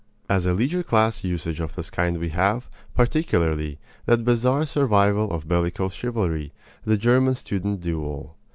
As a leisure class usage of this kind we have, particularly, that bizarre survival of bellicose chivalry, the German student duel.